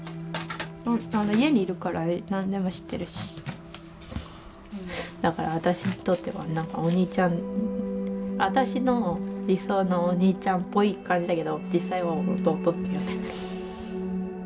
家にいるから何でも知ってるしだから私にとってはなんかお兄ちゃん私の理想のお兄ちゃんっぽい感じだけど実際は弟というね。